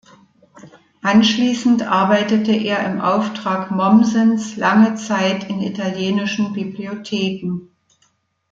Anschließend arbeitete er im Auftrag Mommsens lange Zeit in italienischen Bibliotheken.